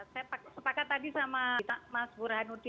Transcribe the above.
saya sepakat tadi sama mas burhanuddin